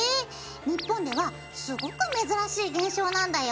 日本ではすごく珍しい現象なんだよ！